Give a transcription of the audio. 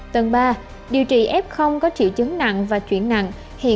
tầng ba điều trị f có triệu chứng nặng và chuyển nặng